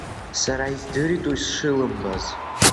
Сараиздыритуи сшылымбаз.